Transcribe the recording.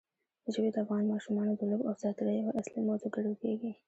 ژبې د افغان ماشومانو د لوبو او ساتېرۍ یوه اصلي موضوع ګڼل کېږي.